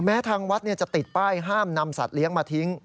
ทางวัดจะติดป้ายห้ามนำสัตว์เลี้ยงมาทิ้ง